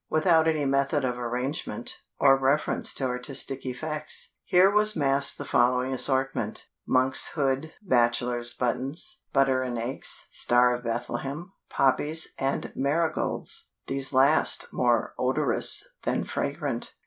Without any method of arrangement, or reference to artistic effects, here was massed the following assortment: Monks Hood, Bachelors Buttons, Butter and Eggs, Star of Bethlehem, Poppies and Marigolds; these last more odorous than fragrant.